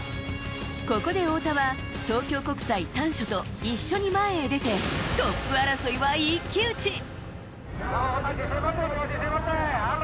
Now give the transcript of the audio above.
ここで太田は東京国際・丹所と一緒に前へ出てトップ争いは一騎打ち！